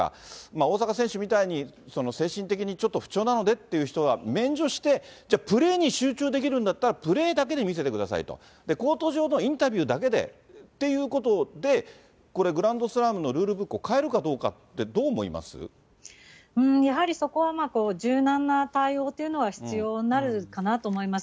大坂選手みたいに精神的にちょっと不調なのでっていう人は免除して、プレーに集中できるんだったらプレーだけで見せてくださいと、コート上のインタビューだけでっていうことで、これ、グランドスラムのルールブックを変えるかどうかって、どう思いまやはりそこは、柔軟な対応というのは必要になるかなと思います。